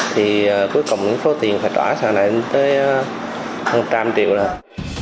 thì cuối cùng số tiền phải trả lại lên tới hơn trăm triệu rồi